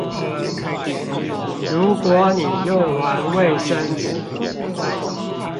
如果你用完衛生紙